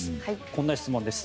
こんな質問です。